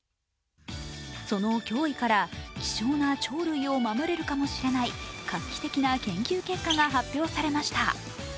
その脅威から貴重な鳥類を守れるかもしれない貴重な研究結果が発表されました。